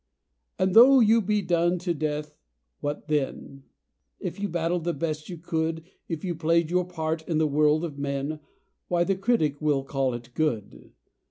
And though you be done to the death, what then? If you battled the best you could, If you played your part in the world of men, Why, the Critic will call it good.